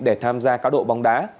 để tham gia cá độ bóng đá